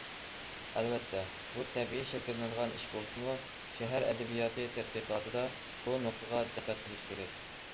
ئەلۋەتتە بۇ تەبىئىي شەكىللىنىدىغان ئىش بولسىمۇ، شەھەر ئەدەبىياتى تەتقىقاتىدا بۇ نۇقتىغا دىققەت قىلىش كېرەك.